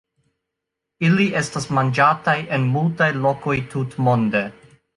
Ili estas manĝataj en multaj lokoj tutmonde.